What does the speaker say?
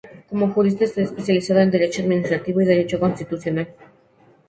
Como jurista, está especializado en derecho administrativo y derecho constitucional.